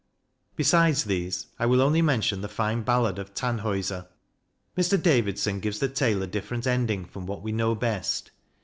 Be 200 CRITICAL STUDIES sides these, I will only mention the fine ballad of Tannhauser. Mr. Davidson gives the tale a different ending from what we know best.